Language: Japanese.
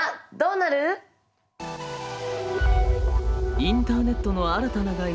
インターネットの新たな概念